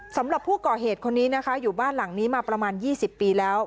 สำหรับผู้ก่อเหตุคนนี้นะคะอยู่บ้านหลังนี้มาประมาณ๒๐ปีแล้ว